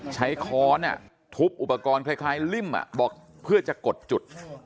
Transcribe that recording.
ค้อนทุบอุปกรณ์คล้ายริ่มบอกเพื่อจะกดจุด